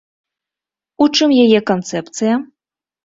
У чым яе канцэпцыя?